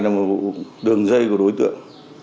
là một vụ đường dây của đối tượng